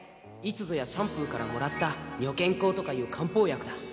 いつぞやシャンプーからもらった女嫌香とかいう漢方薬だ